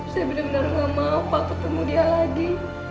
saya bener bener gak mau pak ketemu dia lagi